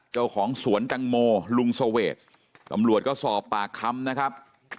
เจ้าของสวนแตงโมลุงเสวดตำรวจก็สอบปากคำนะครับ